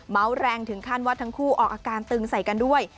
แรงถึงขั้นว่าทั้งคู่ออกอาการตึงใส่กันด้วย